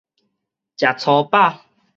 食粗飽